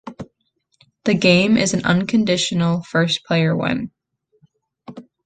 This game is an unconditional first-player win.